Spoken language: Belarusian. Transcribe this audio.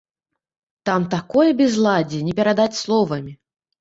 Там такое бязладдзе, не перадаць словамі!